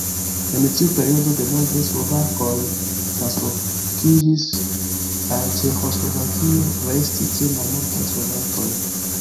En tiu periodo denove slovakoj translokiĝis al Ĉeĥoslovakio, restis tre malmultaj slovakoj.